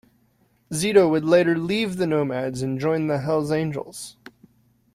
Zito would later leave the Nomads and join the Hells Angels.